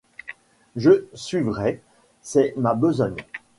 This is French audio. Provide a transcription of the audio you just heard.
Je suivrai ; c’est ma besogne.